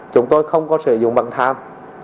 chúng tôi không có sử dụng bằng tham